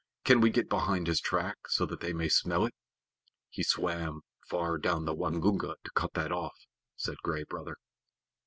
Can we get behind his track so that they may smell it?" "He swam far down the Waingunga to cut that off," said Gray Brother.